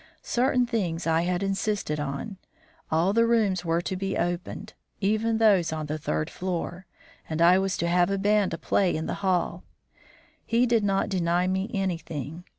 Certain things I had insisted on. All the rooms were to be opened, even those on the third floor; and I was to have a band to play in the hall. He did not deny me anything.